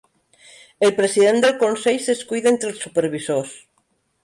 El president del consell s'escull d'entre els supervisors.